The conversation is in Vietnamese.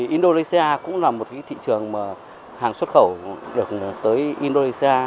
indonesia cũng là một thị trường mà hàng xuất khẩu được tới indonesia